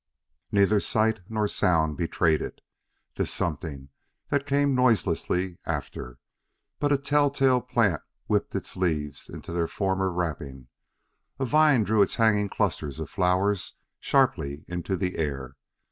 Neither sight nor sound betrayed it this something, that came noiselessly after but a tell tale plant whipped its leaves into their former wrapping; a vine drew its hanging clusters of flowers sharply into the air.